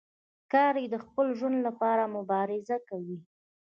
ښکاري د خپل ژوند لپاره مبارزه کوي.